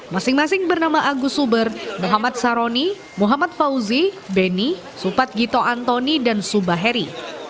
masing masing bernama agus suber muhammad saroni muhammad fauzi beni supat gito antoni dan subaheri